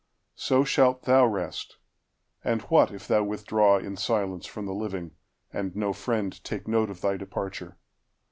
So shalt thou rest; and what if thou withdrawIn silence from the living, and no friendTake note of thy departure?